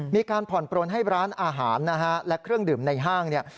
มีการผ่อนปลนให้ร้านอาหารนะฮะและเครื่องดื่มในห้างเนี่ย